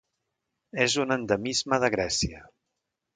És un endemisme de Grècia.